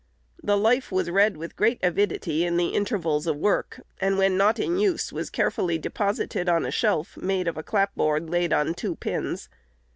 The "Life" was read with great avidity in the intervals of work, and, when not in use, was carefully deposited on a shelf, made of a clapboard laid on two pins.